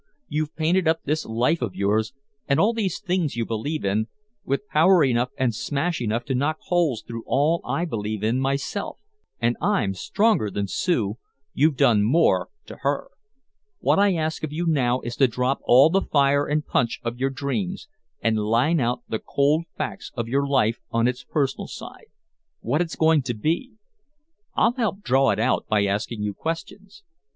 You've painted up this life of yours and all these things you believe in with power enough and smash enough to knock holes through all I believe in myself. And I'm stronger than Sue you've done more to her. What I ask of you now is to drop all the fire and punch of your dreams, and line out the cold facts of your life on its personal side what it's going to be. I'll help draw it out by asking you questions."